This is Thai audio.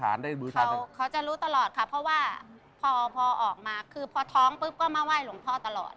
เขาจะรู้ตลอดค่ะเพราะว่าพอพอออกมาคือพอท้องปุ๊บก็มาไหว้หลวงพ่อตลอด